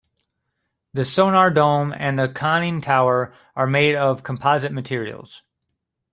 The sonar dome and the conning tower are made of composite materials.